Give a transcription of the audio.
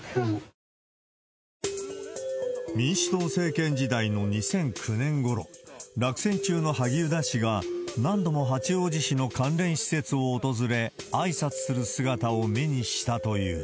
民主党政権時代の２００９年ごろ、落選中の萩生田氏が、何度も八王子市の関連施設を訪れ、あいさつする姿を目にしたという。